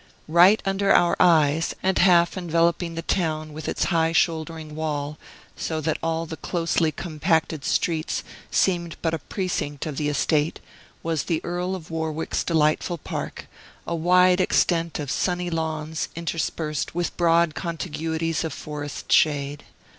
Right under our eyes, and half enveloping the town with its high shouldering wall, so that all the closely compacted streets seemed but a precinct of the estate, was the Earl of Warwick's delightful park, a wide extent of sunny lawns, interspersed with broad contiguities of forest shade.